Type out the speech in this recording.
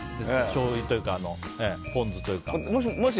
しょうゆというかポン酢というか。